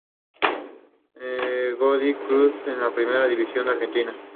No obstante, el gobierno estadounidense cooperó con Porras y el candidato oficialista ganó fácilmente.